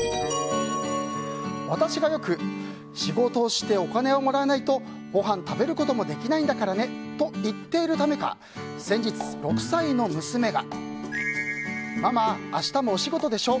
私がよく仕事してお金をもらわないとごはん食べることもできないんだからねと言っているためか先日、６歳の娘がママ、明日もお仕事でしょ。